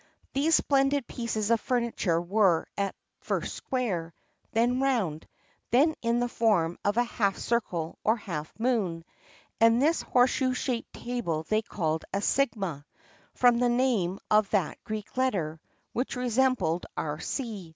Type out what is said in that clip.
[XXXII 18] These splendid pieces of furniture were at first square;[XXXII 19] then round;[XXXII 20] then in the form of a half circle or half moon, and this horseshoe shaped table they called a sigma, from the name of that Greek letter, which resembled our C.